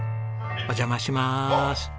お邪魔します。